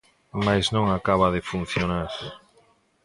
Mais non acaba de funcionar.